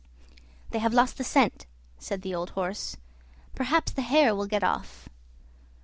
"They have lost the scent," said the old horse; "perhaps the hare will get off."